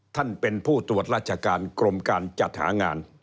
ท่านเป็นผู้ตรวจราชการกรมการจัดหางาน